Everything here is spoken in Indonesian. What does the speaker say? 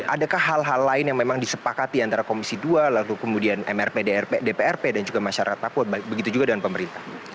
adakah hal hal lain yang memang disepakati antara komisi dua lalu kemudian mrpdrp dprp dan juga masyarakat papua begitu juga dengan pemerintah